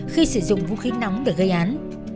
khi sử dụng vũ khí nóng để gây án